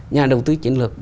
nhà đầu tư chiến lược